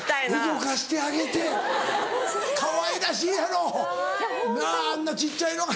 動かしてあげてかわいらしいやろ？なぁあんな小っちゃいのが。